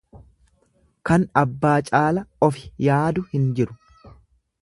Kan abbaa caala ofi yaadu hin jiru.